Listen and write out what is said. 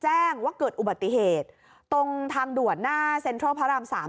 แจ้งว่าเกิดอุบัติเหตุตรงทางด่วนหน้าเซ็นทรัลพระรามสาม